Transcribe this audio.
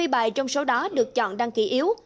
hai mươi bài trong số đó được chọn đăng ký yếu